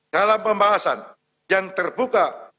dalam pembahasan yang terbuka